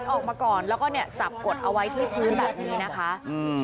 ออกมาก่อนแล้วก็เนี่ยจับกดเอาไว้ที่พื้นแบบนี้นะคะอืม